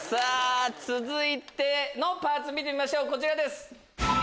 続いてのパーツ見てみましょうこちらです。